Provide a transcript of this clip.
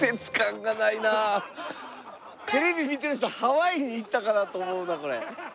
テレビ見てる人ハワイに行ったかなと思うなこれ。